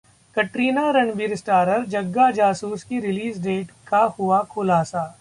कटरीना-रणबीर starrer 'जग्गा जासूस' की release date का हुआ खुलासा